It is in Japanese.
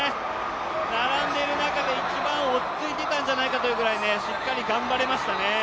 並んでいる中で一番落ち着いていたんじゃないかというくらい、しっかり頑張れましたね。